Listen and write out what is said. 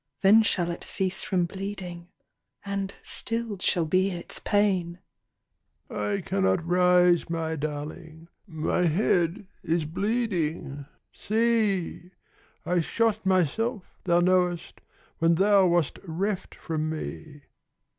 Then shall it cease from bleeding. And stilled shall be its pain." "I cannot rise, my darling, My head is bleeding see! I shot myself, thou knowest, When thou wast reft from me."